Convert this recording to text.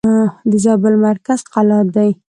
د زابل مرکز قلات دئ.